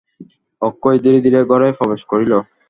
অক্ষয় ধীরে ধীরে ঘরে প্রবেশ করিল।